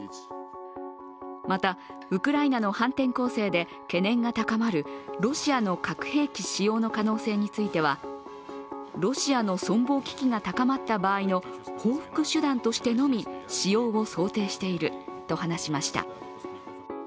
またウクライナの反転攻勢で懸念が高まるロシアの核兵器使用の可能性については、ロシアの存亡危機が高まった場合の報復手段としてのみ使用を想定していると話しました。